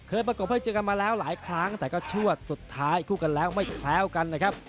ประกบให้เจอกันมาแล้วหลายครั้งแต่ก็ชวดสุดท้ายคู่กันแล้วไม่แคล้วกันนะครับ